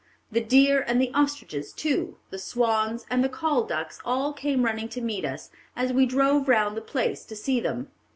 The deer and the ostriches too, the swans and the call ducks, all came running to meet us, as we drove round the place to see them."